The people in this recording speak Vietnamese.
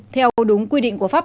theo đúng quy định của pháp